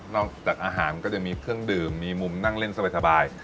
จากอาหารก็จะมีเครื่องดื่มมีมุมนั่งเล่นสบาย